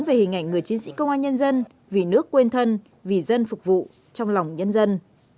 về hình ảnh người chiến sĩ công an nhân dân vì nước quên thân vì dân phục vụ trong lòng nhân dân